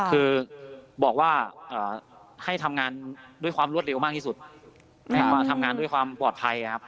คือบอกว่าให้ทำงานด้วยความรวดเร็วมากที่สุดให้มาทำงานด้วยความปลอดภัยครับ